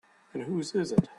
Then whose is it?